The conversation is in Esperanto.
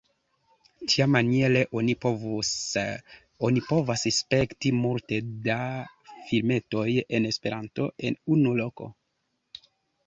Tiamaniere oni povas spekti multe da filmetoj en Esperanto en unu loko.